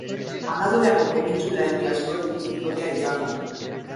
Anatoliako penintsula herri askoren bizitoki izan da.